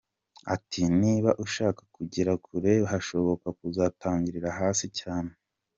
Ati “Niba ushaka kugera kure hashoboka uzatangirire hasi cyane.